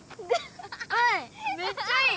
めっちゃいい！